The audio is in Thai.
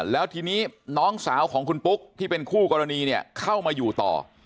แล้วทีนี้น้องสาวของคุณปุ๊กที่เป็นคู่กรณีเนี่ยเข้ามาอยู่ต่อ